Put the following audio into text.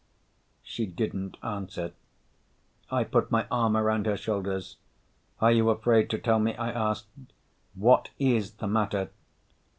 She didn't answer. I put my arm around her shoulders. "Are you afraid to tell me?" I asked. "What is the matter?"